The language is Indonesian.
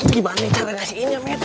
gimana caranya kasih ini med